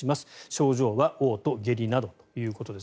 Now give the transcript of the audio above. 症状はおう吐下痢などということです。